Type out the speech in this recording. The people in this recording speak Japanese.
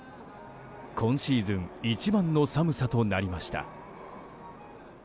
今シーズン一番の寒さとなりました。